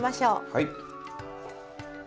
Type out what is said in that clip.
はい。